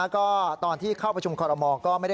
ก็ตอนที่เข้าประชุมความเหมา